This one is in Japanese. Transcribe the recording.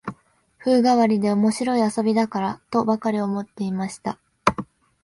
風変わりで面白い遊びだから、とばかり思っていました